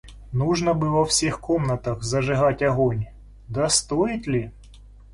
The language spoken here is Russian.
Нужно бы во всех комнатах зажигать огонь, — да стоит ли?